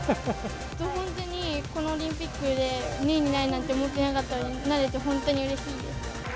本当にこのオリンピックで、２位になるなんて思ってなかったので、なれて本当にうれしいです。